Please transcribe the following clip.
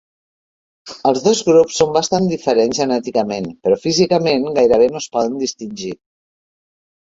Els dos grups són bastants diferents genèticament, però físicament gairebé no es poden distingir.